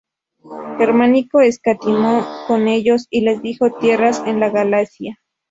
Germánico escatimó con ellos y les dio tierras en la Galia.